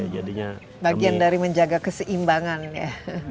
bagian dari menjaga keseimbangan ya